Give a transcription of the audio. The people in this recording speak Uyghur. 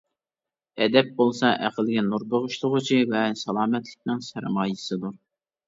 ئەدەپ بولسا ئەقىلگە نۇر بېغىشلىغۇچى ۋە سالامەتلىكنىڭ سەرمايىسىدۇر.